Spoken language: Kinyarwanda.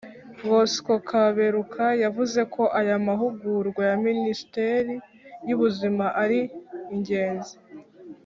bosco kaberuka yavuze ko aya mahugurwa ya minisiteri y’ubuzima ari ingenzi